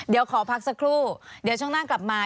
เดี๋ยวขอพักสักครู่เดี๋ยวช่วงหน้ากลับมา